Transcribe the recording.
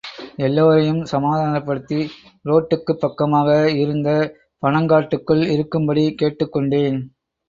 எல்லோரையும் சமாதானப்படுத்தி ரோட்டுக்கு பக்கமாக இருந்த பனங்காட்டுக்குள் இருக்கும்படி கேட்டுக் கொண்டேன்.